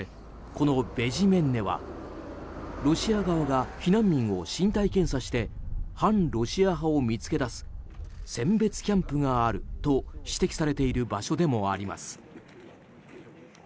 そして、このベジメンネはロシア側が避難民を身体検査して反ロシア派を見つける選別キャンプがあると指摘されている場所でもあります。